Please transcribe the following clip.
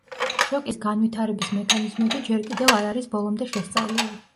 შოკის განვითარების მექანიზმები ჯერ კიდევ არ არის ბოლომდე შესწავლილი.